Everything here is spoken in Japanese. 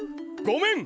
・ごめん！